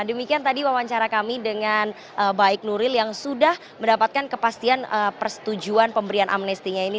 demikian tadi wawancara kami dengan baik nuril yang sudah mendapatkan kepastian persetujuan pemberian amnestinya ini